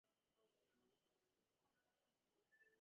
Production model controls and instruments allowed night operations.